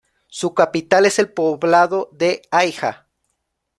Su capital es el poblado de Aija.